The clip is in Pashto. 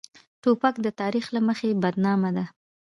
توپک د تاریخ له مخې بدنامه ده.